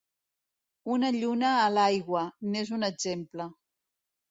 Una lluna a l’aigua, n’és un exemple.